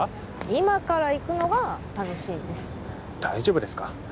今から行くのが楽しいんです大丈夫ですか？